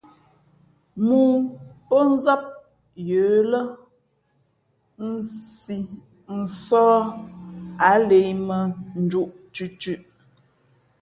Mōō pó nzáp yə̌ lά nsī nsάh a lα imᾱnjūʼ thʉ̄thʉ̄ʼ.